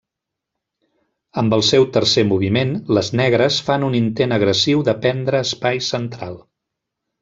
Amb el seu tercer moviment, les negres fan un intent agressiu de prendre espai central.